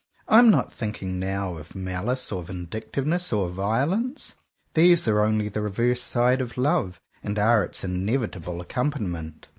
I am not thinking now of malice, or vindictiveness, or violence. These are only the reverse side of love, and are its inevitable accompaniment.